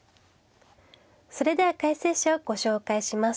それでは解説者をご紹介します。